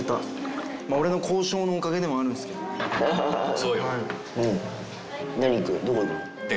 そうよ。